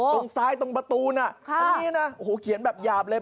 ตรงซ้ายตรงประตูน่ะอันนี้นะโอ้โหเขียนแบบหยาบเลย